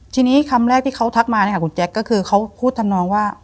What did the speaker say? ทีนี้คำแรกที่เขาทักมาเนี่ยค่ะคุณแจ๊คก็คือเขาพูดทำนองว่า